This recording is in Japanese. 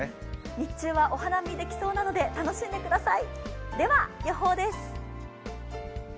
日中はお花見できそうなので、楽しんでください。